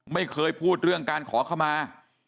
ไม่เคยพูดเรื่องการขอเข้ามา